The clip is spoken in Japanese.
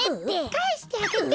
かえしてあげて！